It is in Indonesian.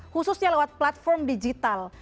khususnya lewat platform digital